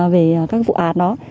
về các vụ án đó